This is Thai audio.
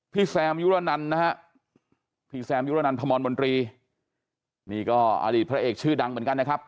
แซมยุรนันนะฮะพี่แซมยุรนันพมรมนตรีนี่ก็อดีตพระเอกชื่อดังเหมือนกันนะครับ